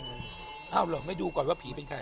อ้าวเหรอไม่ดูก่อนว่าผีเป็นใคร